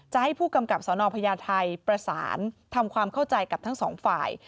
ให้ผู้กำกับสนพญาไทยประสานทำความเข้าใจกับทั้งสองฝ่าย